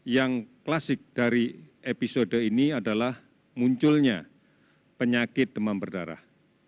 yang klasik dari episode ini adalah munculnya penyakit demam berdarah